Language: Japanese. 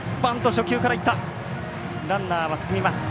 ランナー進みます。